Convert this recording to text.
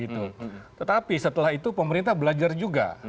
tetapi setelah itu pemerintah belajar juga